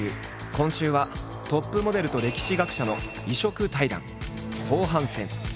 今週はトップモデルと歴史学者の異色対談後半戦。